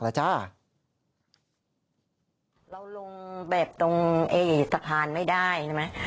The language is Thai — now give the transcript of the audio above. เราลงแบบตรงสะพานไม่ได้